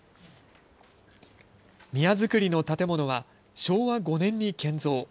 宮造りの建物は、昭和５年に建造。